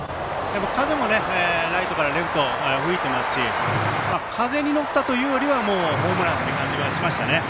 風もライトからレフト、吹いていますし風に乗ったというよりはもう、ホームランっていう感じはしましたね。